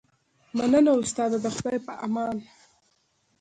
مننه استاده د خدای په امان